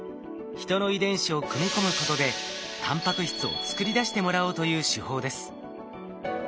人の遺伝子を組み込むことでタンパク質を作り出してもらおうという手法です。